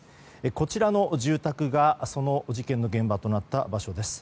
こちらの住宅がその事件の現場となった場所です。